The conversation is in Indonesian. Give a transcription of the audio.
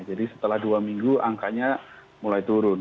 jadi setelah dua minggu angkanya mulai turun